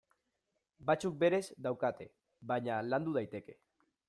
Batzuk berez daukate, baina landu daiteke.